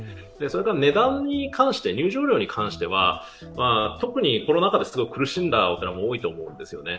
値段に関して、入場料に関しては特にコロナ禍で苦しんだお寺も多いと思うんですよね。